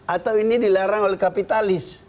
atau ini dilarang oleh kapitalis